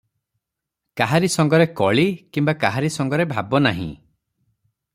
କାହାରି ସଙ୍ଗରେ କଳି କିମ୍ବା କାହାରି ସଙ୍ଗରେ ଭାବ ନାହିଁ ।